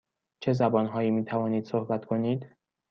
چه زبان هایی می توانید صحبت کنید؟